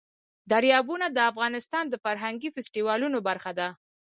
دریابونه د افغانستان د فرهنګي فستیوالونو برخه ده.